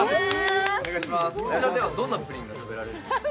こちらでは、どんなプリンが食べられるんですか？